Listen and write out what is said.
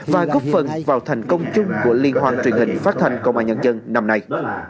và góp phần vào thành công chung của liên hoan truyền hình phát thanh công an nhân dân năm nay